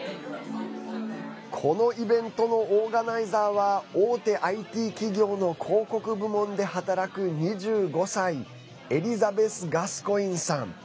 このイベントのオーガナイザーは大手ＩＴ企業の広告部門で働く２５歳エリザベス・ガスコインさん。